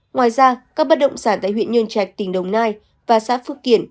ngoài ra các bất động sản tại huyện nhơn trạch tỉnh đồng nai và xã phước kiển